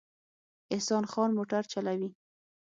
احسان خان موټر چلوي